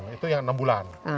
itu yang enam bulan